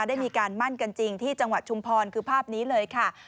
ได้มีการมั่นกันจริงที่จังหวัดชุมพรคือภาพนี้เลยค่ะ